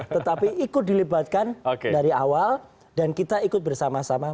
tetapi ikut dilibatkan dari awal dan kita ikut bersama sama